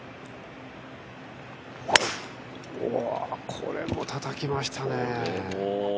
これもたたきましたね。